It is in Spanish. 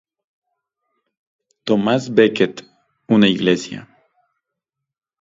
Thomas Becket, una Iglesia.